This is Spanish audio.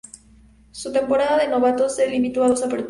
Su temporada de novato se limitó a dos aperturas.